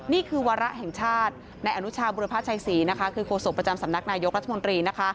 นี่คือวาระแห่งชาติในอนุชาบุรพชัยศรีคือโศกประจำสำนักนายกรัฐมนตรี